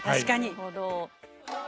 なるほど。